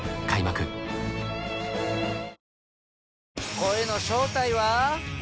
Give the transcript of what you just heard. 声の正体は。